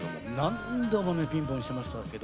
何度もピンポンしました。